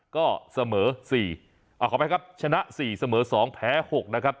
ก็เสมอ๔เอาเข้าไปครับชนะ๔เสมอ๒แพ้๖นะครับ